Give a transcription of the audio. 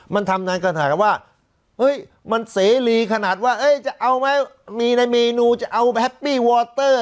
มันทำนานขนาดว่าเฮ้ยมันเสรีขนาดว่าจะเอาไหมมีในเมนูจะเอาแฮปปี้วอเตอร์